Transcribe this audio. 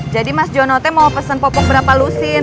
jadi mas jono mau pesen popok berapa lusin